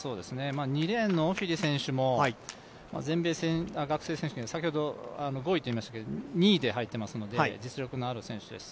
２レーンのオフィリ選手も全米学生選手権、先ほど５位と言いましたが、２位で入っていましたので、実力のある選手です。